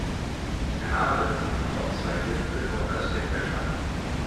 Der Name bezieht sich auf zwei Gipfel nordöstlich der Stadt.